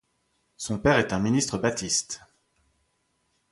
Son père est un ministre baptiste.